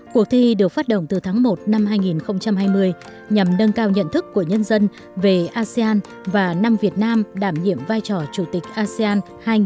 cuộc thi được phát động từ tháng một năm hai nghìn hai mươi nhằm nâng cao nhận thức của nhân dân về asean và năm việt nam đảm nhiệm vai trò chủ tịch asean hai nghìn hai mươi